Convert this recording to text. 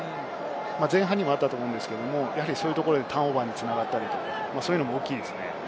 前半にもあったと思うんですけれど、そういうところでターンオーバーに繋がったり、そういうのも大きいですね。